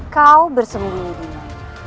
kau bersembunyi dimana